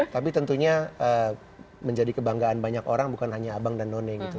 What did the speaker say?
tapi tentunya menjadi kebanggaan banyak orang bukan hanya abang dan none gitu